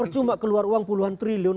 cuma keluar uang puluhan triliun